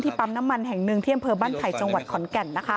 ปั๊มน้ำมันแห่งหนึ่งที่อำเภอบ้านไผ่จังหวัดขอนแก่น